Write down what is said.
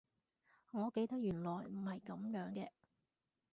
我記得原來唔係噉樣嘅